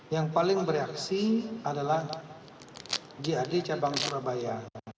yang paling bereaksi adalah jad cabang surabaya